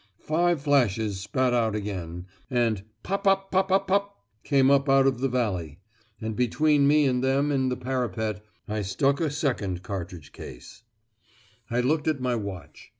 Five flashes spat out again, and "pop pop pop pop pop" came up out of the valley: and between me and them in the parapet I stuck a second cartridge case I looked at my watch.